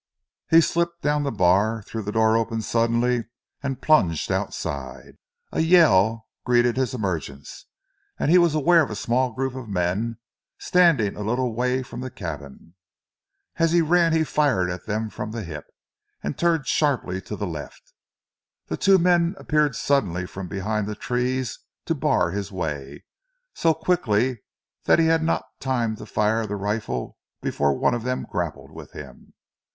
He slipped down the bar, threw the door open suddenly and plunged outside. A yell greeted his emergence and he was aware of a small group of men standing a little way from the cabin. As he ran he fired at them from the hip; and turned sharply to the left. The two men appeared suddenly from behind the trees to bar his way, so quickly that he had not time to fire the rifle before one of them grappled with him.